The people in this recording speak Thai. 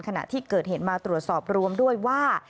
ขณะที่เกิดเหตุมาตรวจสอบรวมด้วยว่า